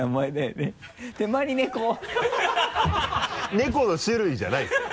猫の種類じゃないですから。